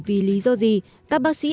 vì lý do gì các bác sĩ